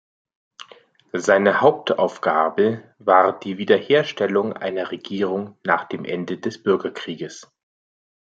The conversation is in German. Seine Hauptaufgabe war die Wiederherstellung einer Regierung nach dem Ende des Bürgerkrieges.